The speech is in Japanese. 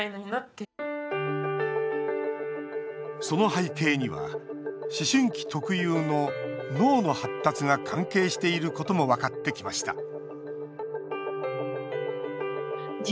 その背景には思春期特有の脳の発達が関係していることも分かってきました